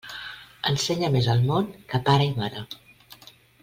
Ensenya més el món que pare i mare.